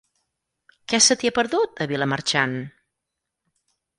Què se t'hi ha perdut, a Vilamarxant?